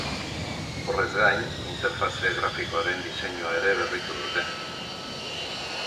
Horrez gain, interfaze grafikoaren diseinua ere berritu dute.